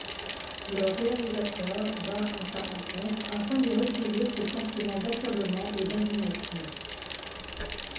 Le réalisateur va à sa rencontre afin d'y recueillir ses sentiments d'accablement et d'indignation...